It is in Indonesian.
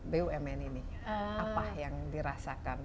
bumn ini apa yang dirasakan